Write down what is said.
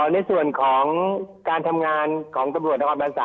ในส่วนของการทำงานของตำรวจนครบัน๓